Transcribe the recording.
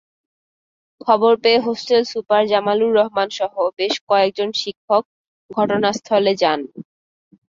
খবর পেয়ে hostel super Jamalur রহমানসহ বেশ কয়েকজন শিক্ষক ঘটনাস্থলে যান।